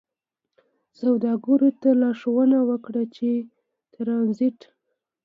سوداګرو ته لارښوونه وکړه چې ترانزیت